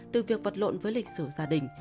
từ việc vật lộn với lịch sử gia đình